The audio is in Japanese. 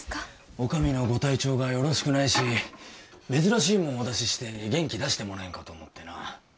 お上のご体調がよろしくないし珍しいもんお出しして元気出してもらえんかと思ってな